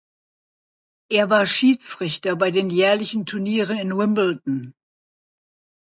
Er war Schiedsrichter bei den jährlichen Turnieren in Wimbledon.